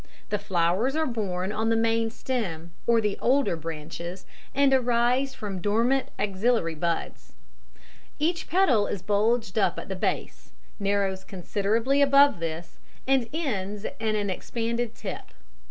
The flowers are borne on the main stem or the older branches, and arise from dormant axillary buds (Cauliflory). Each petal is bulged up at the base, narrows considerably above this, and ends in an expanded tip.